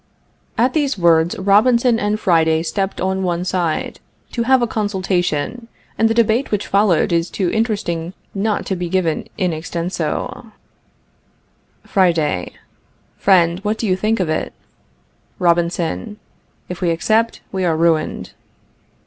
At these words Robinson and Friday stepped on one side, to have a consultation, and the debate which followed is too interesting not to be given in extenso: Friday. Friend, what do you think of it? Robinson. If we accept we are ruined.